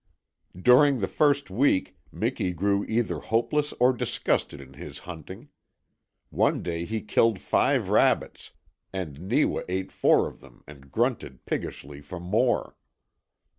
During the first week Miki grew either hopeless or disgusted in his hunting. One day he killed five rabbits and Neewa ate four of them and grunted piggishly for more.